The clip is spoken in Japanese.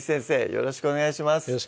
よろしくお願いします